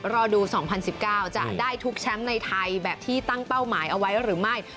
รอดู๒๐๑๙จะได้ทุกแชมป์ในไทยแบบที่ตั้งเป้าหมายเอาไว้หรือไม่